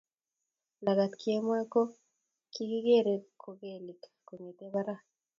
Lagat kemoi ko kokigere kogelik kongete parak